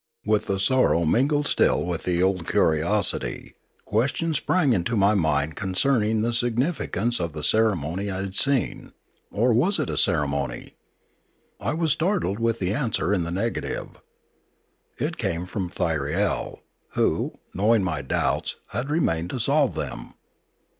With the sorrow mingled still the old curiosity; ques tions sprang into my mind concerning the significance of the ceremony I had seen; or was it a ceremony ? I was startled with the answer in the negative. It came from Thyriel, who, knowing my doubts, had remained to solve them.